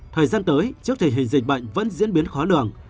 thời gian tới trước thể hình dịch bệnh vẫn diễn biến khó lượng